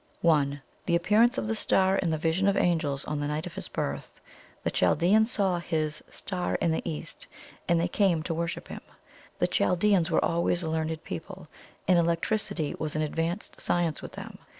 "1. The appearance of the Star and the Vision of Angels on the night of His birth. The Chaldeans saw His 'star in the east,' and they came to worship Him. The Chaldeans were always a learned people, and electricity was an advanced science with them.